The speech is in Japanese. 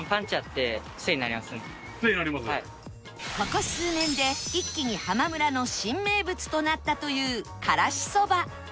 ここ数年で一気にハマムラの新名物となったというからしそば